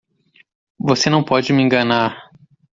Você não pode me enganar!